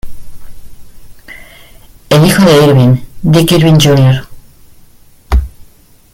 El hijo de Irvin, Dick Irvin, Jr.